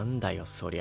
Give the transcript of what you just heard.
そりゃ。